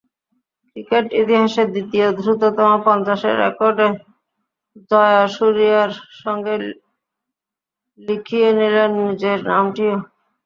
Cricket ইতিহাসে দ্বিতীয় দ্রুততম পঞ্চাশের রেকর্ডে জয়াসুরিয়ার সঙ্গে লিখিয়ে নিলেন নিজের নামটিও।